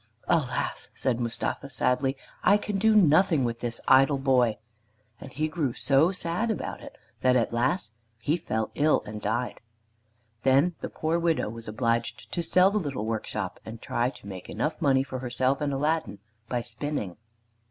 "Alas!" said Mustapha sadly, "I can do nothing with this idle boy." And he grew so sad about it, that at last he fell ill and died. Then the poor widow was obliged to sell the little workshop, and try to make enough money for herself and Aladdin by spinning.